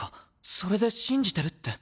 それで「信じてる」って。